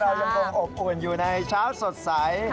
เรายังคงอบอุ่นอยู่ในเช้าสดใส